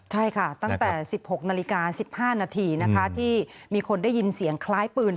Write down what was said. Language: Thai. ใช่ค่ะตั้งแต่๑๖นาฬิกา๑๕นาทีนะคะที่มีคนได้ยินเสียงคล้ายปืน